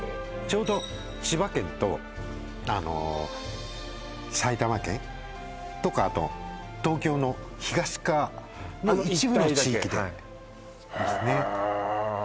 ちょうど千葉県とあの埼玉県とかあと東京の東側の一部の地域であの一帯だけへえ